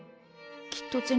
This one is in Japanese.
きっと銭